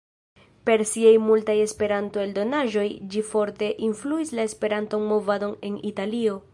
Per siaj multaj Esperanto-eldonaĵoj ĝi forte influis la Esperanto-Movadon en Italio.